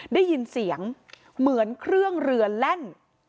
ได้ยินเสียงเหมือนเครื่องเรือแล่น